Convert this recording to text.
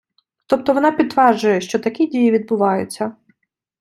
Тобто вона підтверджує, що такі дії відбуваються.